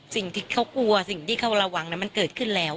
สิ่งที่เขากลัวสิ่งที่เขาระวังมันเกิดขึ้นแล้ว